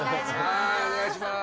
はいお願いします。